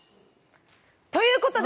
ということで！